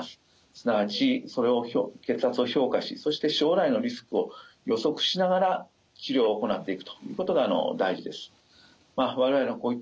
すなわちそれを血圧を評価しそして将来のリスクを予測しながら治療を行っていくということが大事です。